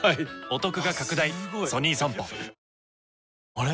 あれ？